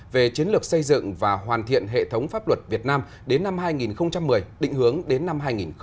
về chiến lược xây dựng và hoàn thiện hệ thống pháp luật việt nam đến năm hai nghìn một mươi định hướng đến năm hai nghìn hai mươi